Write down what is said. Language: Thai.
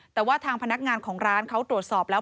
แต่ว่าทางพนักงานของร้านเขาตรวจสอบแล้ว